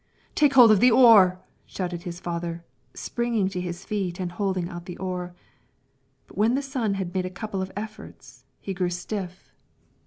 "Take hold of the oar!" shouted the father, springing to his feet and holding out the oar. But when the son had made a couple of efforts he grew stiff.